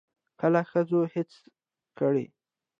کله ښځو هڅه کړې